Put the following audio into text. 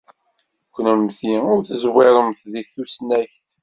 Kennemti ur teẓwiremt deg tusnakt.